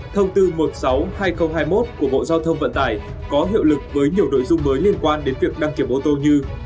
thông tư một trăm sáu mươi hai nghìn hai mươi một của bộ giao thông vận tải có hiệu lực với nhiều nội dung mới liên quan đến việc đăng kiểm ô tô như